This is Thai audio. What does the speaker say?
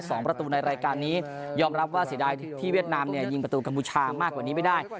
สองประตูในรายการนี้ยอมรับว่าเสียดายที่เวียดนามเนี่ยยิงประตูกัมพูชามากกว่านี้ไม่ได้